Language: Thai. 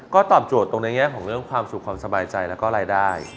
ก็ตอบโจทย์ตรงในแง่ของเรื่องความสุขความสบายใจแล้วก็รายได้